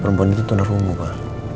perempuan itu tunar rumuh pak